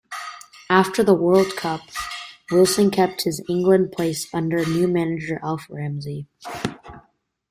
After the World Cup, Wilson kept his England place under new manager Alf Ramsey.